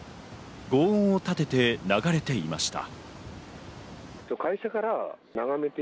轟音を立てて流れていました。